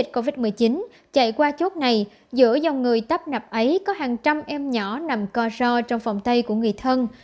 covid một mươi chín chạy qua chốt này giữa dòng người tắp nạp ấy có hàng trăm em nhỏ nằm co ro trong phòng tay của người thân